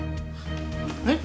えっ？